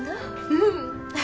うん。